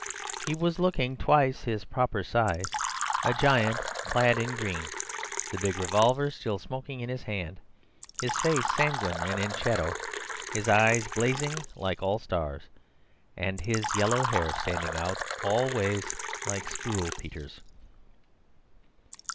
He was looking twice his proper size—a giant clad in green, the big revolver still smoking in his hand, his face sanguine and in shadow, his eyes blazing like all stars, and his yellow hair standing out all ways like Struwelpeter's.